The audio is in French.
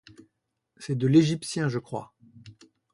C'est de l'égyptien, je crois.